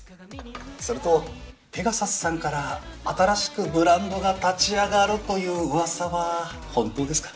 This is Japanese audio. それとペガサスさんから新しくブランドが立ち上がるという噂は本当ですか？